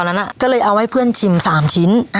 ซึ่งเอาให้เพื่อนชิม๓ชิ้น